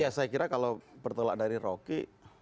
ya saya kira kalau bertolak dari rocky